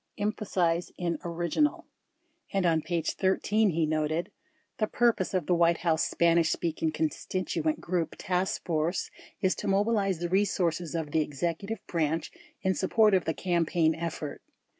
[Emphasis in orig inal.] And on page 13 he noted : The purpose of the White House Spanish Speaking Con stituent Group Task Force is to mobilize the resources of the Executive Branch in support of the campaign effort.